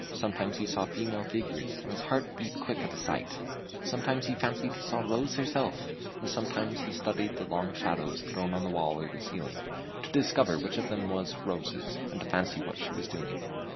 Sometimes he saw female figures, and his heart beat quick at the sight; sometimes he fancied he saw Rose herself; and sometimes he studied the long shadows thrown on the wall or the ceiling to discover which of them was Rose's, and to fancy what she was doing.